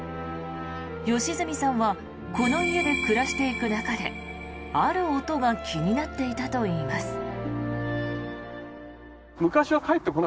良純さんはこの家で暮らしていく中である音が気になっていたといいます。